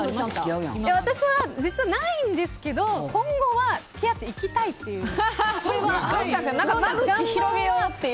私は実はないんですけど今後は付き合っていきたいという願望は。